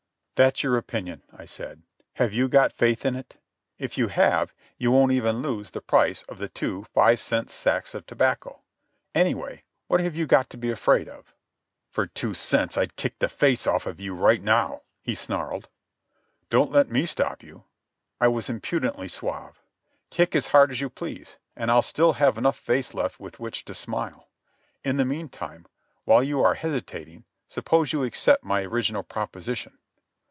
"That's your opinion," I said. "Have you got faith in it? If you have you won't even lose the price of the two five cents sacks of tobacco. Anyway, what have you got to be afraid of?" "For two cents I'd kick the face off of you right now," he snarled. "Don't let me stop you." I was impudently suave. "Kick as hard as you please, and I'll still have enough face left with which to smile. In the meantime, while you are hesitating, suppose you accept my original proposition."